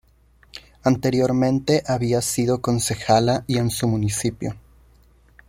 Anteriormente había sido concejala y en su municipio.